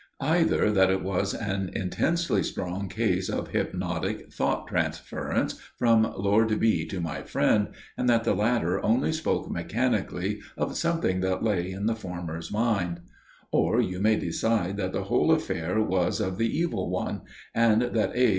Either that it was an intensely strong case of hypnotic thought transference from Lord B. to my friend, and that the latter only spoke mechanically of something that lay in the former's mind; or you may decide that the whole affair was of the Evil One, and that A.